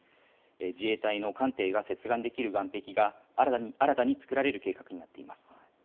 自衛隊の艦艇が接岸できる岸壁が新たに作られる計画になっています。